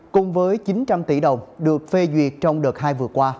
cùng với chín trăm linh tỷ đồng được phê duyệt trong đợt hai vừa qua